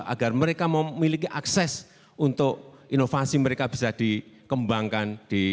agar mereka memiliki akses untuk inovasi mereka bisa dikembangkan